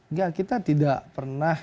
nggak kita tidak pernah